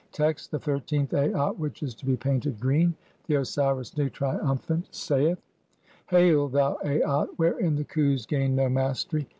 Text : (1) The thirteenth Aat [which is to be painted] green. The Osiris Nu, triumphant, saith :— "Hail, thou Aat wherein the Khus gain (2) no mastery.